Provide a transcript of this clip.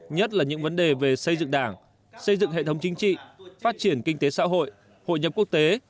nhất là những vấn đề về xây dựng đảng xây dựng hệ thống chính trị phát triển kinh tế xã hội hội nhập quốc tế